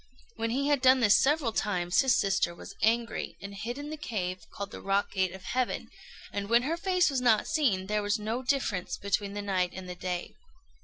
When he had done this several times, his sister was angry, and hid in the cave called the Rock Gate of Heaven; and when her face was not seen, there was no difference between the night and the day.